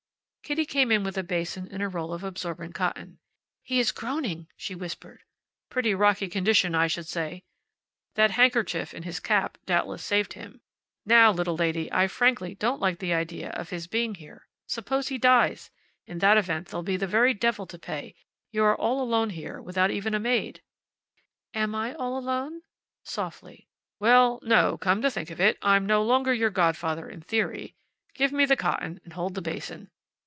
Kitty came in with a basin and a roll of absorbent cotton. "He is groaning!" she whispered. "Pretty rocky condition, I should say. That handkerchief in his cap doubtless saved him. Now, little lady, I frankly don't like the idea of his being here. Suppose he dies? In that event there'll be the very devil to pay. You're all alone here, without even a maid." "Am I all alone?" softly. "Well, no; come to think of it, I'm no longer your godfather in theory. Give me the cotton and hold the basin."